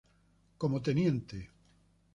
Como Tte.